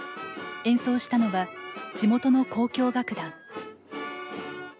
演奏したのは、地元の交響楽団。